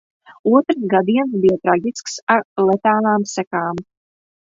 Otrs gadiens bija traģisks ar letālām sekām.